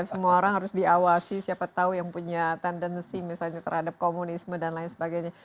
semua orang harus diawasi siapa tahu yang punya tendensi misalnya terhadap komunisme dan lain sebagainya